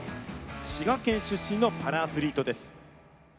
滋賀県出身のパラアスリートです。